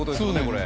これ。